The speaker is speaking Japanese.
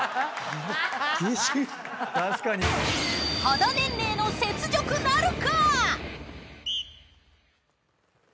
［肌年齢の雪辱なるか⁉］